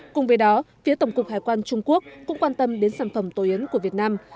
cùng với đó phía tổng cục hải quan trung quốc cũng quan tâm đến sản phẩm tổ yến của việt nam